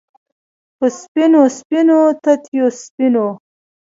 په سپینو، سپینو تتېو سپینو